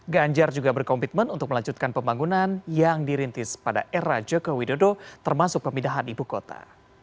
ganjar juga berkomitmen untuk melanjutkan pembangunan yang dirintis pada era joko widodo termasuk pemindahan ibu kota